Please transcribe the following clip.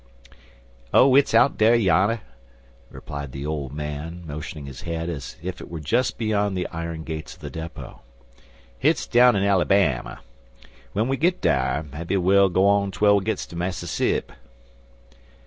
"Oh, hit's out yan," replied the old man, motioning his head as if it was just beyond the iron gates of the depot. "Hit's down in Alabam. When we git dar, maybe well go on twel we gits ter Massasip."